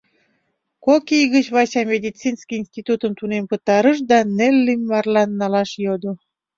Кок ий гыч Вася медицинский институтым тунем пытарыш да Неллим марлан налаш йодо.